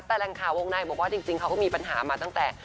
แต่แหล่งข่าววงในบอกว่าจริงเขาก็มีปัญหามาตั้งแต่